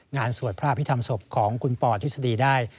งานสวดภาพที่ทำศพของคุณปอดฤทธิษฎีได้